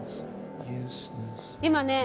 今ね